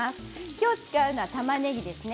今日、使うのは、たまねぎですね。